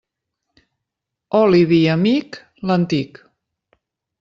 Oli, vi i amic, l'antic.